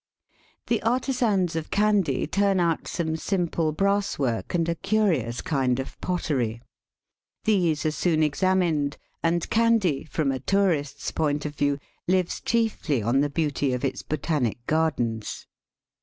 The artisans of Kandy turn out some simple brass work and a curious kind of pottery. These are soon examined, and Kandy, from a tourist's point of view, lives chiefly on the beauty of its Botanic Gardens.